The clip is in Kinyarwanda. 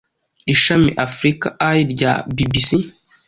ishami africa eye rya bbc